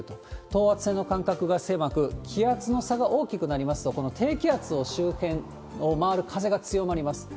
等圧線の間隔が狭く、気圧の差が大きくなりますと、この低気圧の周辺を回る風が強まります。